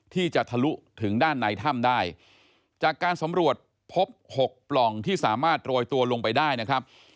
ทะลุถึงด้านในถ้ำได้จากการสำรวจพบหกปล่องที่สามารถโรยตัวลงไปได้นะครับ